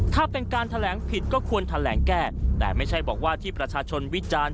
ถ้าเป็นการแถลงผิดก็ควรแถลงแก้แต่ไม่ใช่บอกว่าที่ประชาชนวิจารณ์